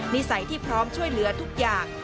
นิสัยที่พร้อมช่วยเหลือทุกอย่าง